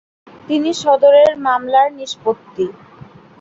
তিনি সদরের মামলার নিষ্পত্তি।